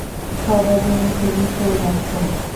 সবার জন্য শুধু সৌভাগ্য।